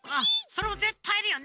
それもぜったいいるよね。